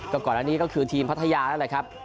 ก็ก่อนอันนี้ก็คือทีมพัทยาแล้วเลยครับ